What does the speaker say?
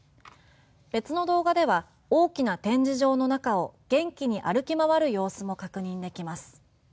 別の動画では大きな展示場の中を元気に歩き回る様子も確認できます。